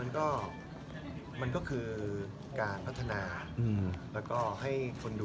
เอารู้สึกว่านะไงครับ